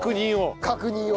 確認を？